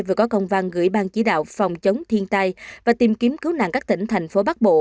vừa có công văn gửi bang chỉ đạo phòng chống thiên tai và tìm kiếm cứu nạn các tỉnh thành phố bắc bộ